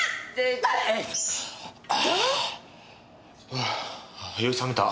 うぅ酔い覚めた。